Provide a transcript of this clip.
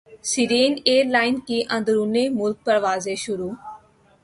سیرین airline کی اندرون ملک پروازیں شروع